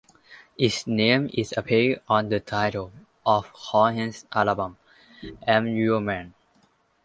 Its name is a play on the title of Cohen's album "I'm Your Man".